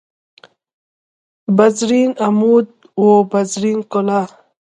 بزرین عمود و بزرین کلاه